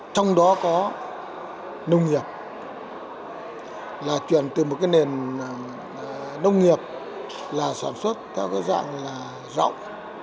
trong đó có nông nghiệp là chuyển từ một nền nông nghiệp là sản xuất theo dạng rộng